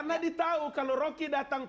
karena di tahu kalau roky datang